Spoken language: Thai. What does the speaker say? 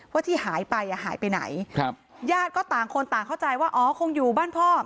ที่หายไปอ่ะหายไปไหนครับญาติก็ต่างคนต่างเข้าใจว่าอ๋อคงอยู่บ้านพ่อ